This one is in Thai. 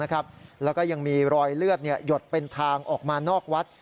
แล้วก็ยังมีรอยเลือดหยดเป็นทางออกมานอกวัด